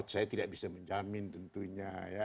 saya tidak bisa menjamin tentunya ya